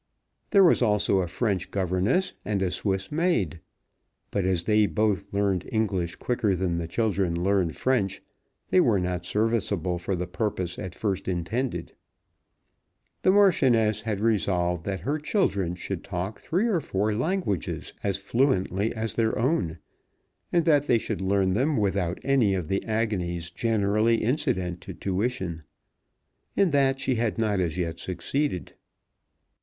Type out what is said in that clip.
There was also a French governess and a Swiss maid. But as they both learned English quicker than the children learned French, they were not serviceable for the purpose at first intended. The Marchioness had resolved that her children should talk three or four languages as fluently as their own, and that they should learn them without any of the agonies generally incident to tuition. In that she had not as yet succeeded.